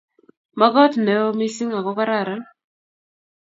Makot neo missing ago kararan